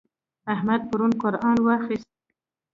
احمد پرون قرآن واخيست.